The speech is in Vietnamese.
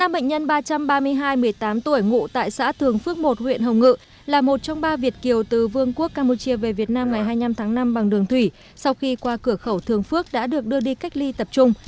ba bệnh nhân ba trăm ba mươi hai một mươi tám tuổi ngụ tại xã thường phước một huyện hồng ngự là một trong ba việt kiều từ vương quốc campuchia về việt nam ngày hai mươi năm tháng năm bằng đường thủy sau khi qua cửa khẩu thường phước đã được đưa đi cách ly tập trung